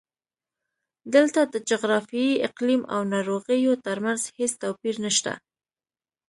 دلته د جغرافیې، اقلیم او ناروغیو ترمنځ هېڅ توپیر نشته.